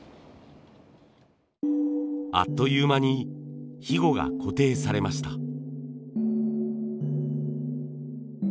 あっという間にひごが固定されました。